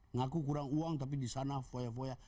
ngaku kurang uang tapi disana foya foya